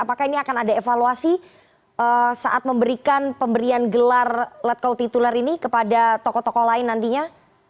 apakah ini akan ada evaluasi saat memberikan pemberian gelar let call titular ini kepada tokoh tokoh lain nantinya